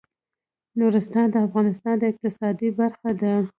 نورستان د افغانستان د اقتصاد برخه ده.